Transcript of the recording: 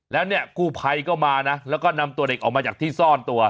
แล้วเนี่ยกู้ภัยก็มานะแล้วก็นำตัวเด็กออกมาจากที่ซ่อนตัว